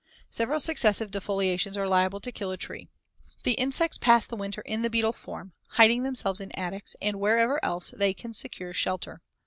Several successive defoliations are liable to kill a tree. The insects pass the winter in the beetle form, hiding themselves in attics and wherever else they can secure shelter.